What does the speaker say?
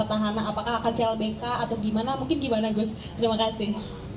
tahanan apakah akan clbk atau gimana mungkin gimana gus terima kasih